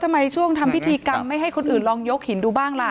ทำไมช่วงทำพิธีกรรมไม่ให้คนอื่นลองยกหินดูบ้างล่ะ